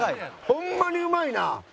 ホンマにうまいな！